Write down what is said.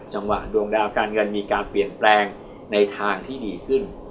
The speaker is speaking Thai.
จังหวะดวงดาวการเงินมีการเปลี่ยนแปลงในทางที่ดีขึ้น